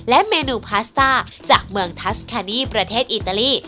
เมนูพาสต้าจากเมืองทัสแคนี่ประเทศอิตาลี